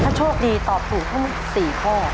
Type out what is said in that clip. ถ้าโชคดีตอบถูกทั้งหมด๔ข้อ